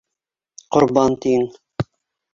Ҡорбан тиң!